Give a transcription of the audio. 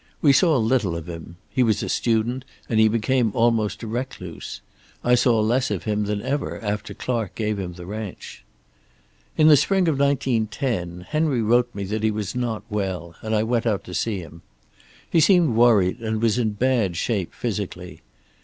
We saw little of him. He was a student, and he became almost a recluse. I saw less of him than ever after Clark gave him the ranch. "In the spring of 1910 Henry wrote me that he was not well, and I went out to see him. He seemed worried and was in bad shape physically.